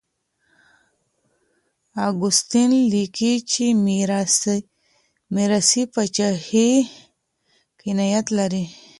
اګوستين ليکي چي ميراثي پاچاهي حقانيت لري.